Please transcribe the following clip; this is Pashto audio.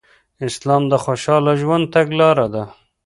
اسلام د خوشحاله ژوند تګلاره ده